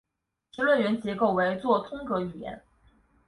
其论元结构为作通格语言。